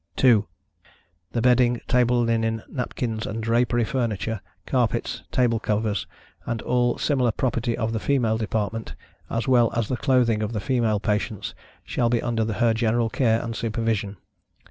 2. The bedding, table linen, napkins, and drapery furniture, carpets, table covers, and all similar property of the female department, as well as the clothing of the female patients, shall be under her general care and supervision.